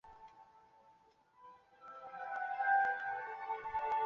太平洋海岸山脉的部分山体为北美科迪勒拉山脉山脉以及其他各种高原和盆地。